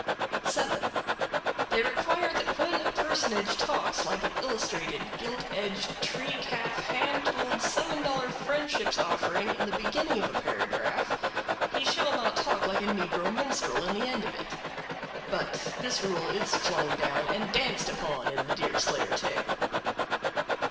7. They require that when a personage talks like an illustrated, gilt edged, tree calf, hand tooled, seven dollar Friendship's Offering in the beginning of a paragraph, he shall not talk like a negro minstrel in the end of it. But this rule is flung down and danced upon in the Deerslayer tale.